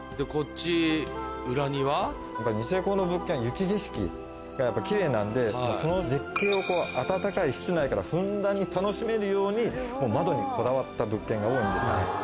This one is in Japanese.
ニセコの物件雪景色がやっぱ奇麗なんでその絶景を暖かい室内からふんだんに楽しめるように窓にこだわった物件が多いんです。